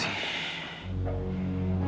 saya akan menyerahkan surat ini